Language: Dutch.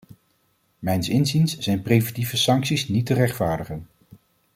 Mijns inziens zijn preventieve sancties niet te rechtvaardigen.